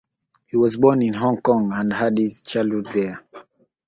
He was born in Hong Kong and had his childhood there.